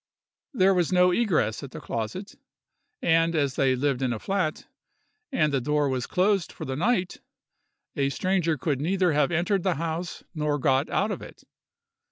There was no egress at the closet: and as they lived in a flat, and the door was closed for the night, a stranger could neither have entered the house nor got out of it.